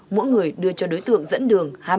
mỗi người đưa cho đối tượng dẫn đường